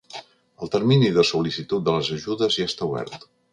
El termini de sol·licitud de les ajudes ja està obert.